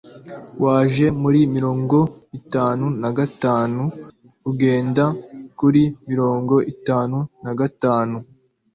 waje muri mirongo itanu na gatanu ugenda kuri mirongo itanu na gatanu